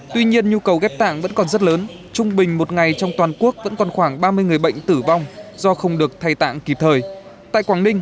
tuy nhiên nhu cầu ghép tạng vẫn còn rất lớn trung bình một ngày trong toàn quốc vẫn còn khoảng ba mươi người bệnh tử vong do không được thay tạng kịp thời